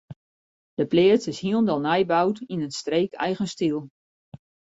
De pleats is hielendal nij boud yn in streekeigen styl.